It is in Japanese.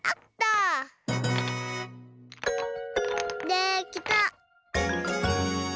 できた！